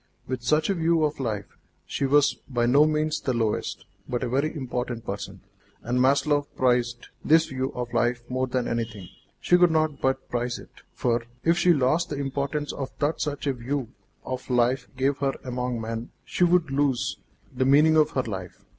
With such a view of life, she was by no means the lowest, but a very important person. And Maslova prized this view of life more than anything; she could not but prize it, for, if she lost the importance that such a view of life gave her among men, she would lose the meaning of her life.